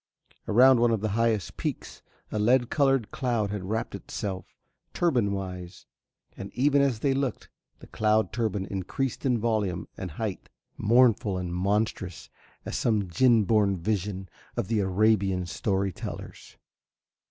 Around one of the highest peaks a lead coloured cloud had wrapped itself turban wise, and even as they looked the cloud turban increased in volume and height, mournful and monstrous as some djin born vision of the Arabian story tellers.